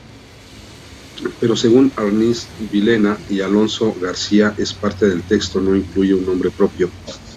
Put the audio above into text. Pero según Arnaiz-Villena y Alonso-García esa parte del texto no incluye un nombre propio.